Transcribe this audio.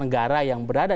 negara yang berada